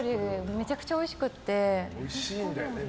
めちゃくちゃおいしくて。